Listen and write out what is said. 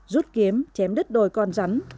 rút kiếm chém đứt đồi con rắn